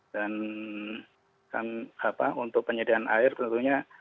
dan untuk penyediaan air tentunya